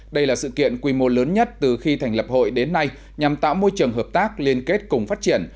đây là sự kiện quy mô lớn nhất từ khi thành lập hội đến nay nhằm tạo môi trường hợp tác liên kết cùng phát triển